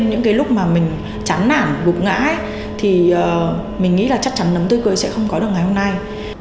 những cái lúc mà mình chắn nản gục ngã thì mình nghĩ là chắc chắn nấm tươi sẽ không có được ngày hôm nay